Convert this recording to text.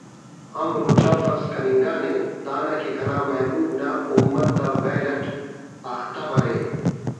ہم روچہ فرض کننگانے دانہ کہ کنا محبوب نا امت دا ویل اٹ اختہ مرے